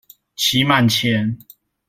期滿前